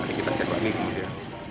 jadi kita cek balik kemudian